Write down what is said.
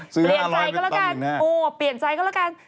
ซื้ออาร้อยเป็นตอน๑๕๐๐๐แหละโอ๊ยเปลี่ยนไซส์ก็แล้วกันเปลี่ยนไซส์ก็แล้วกัน